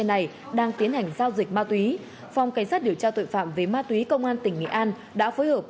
này đang tiến hành giao dịch ma túy phòng cảnh sát điều tra tội phạm về ma túy công an tỉnh nghệ an đã phối hợp